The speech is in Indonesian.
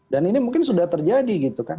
dan ini mungkin sudah terjadi gitu kan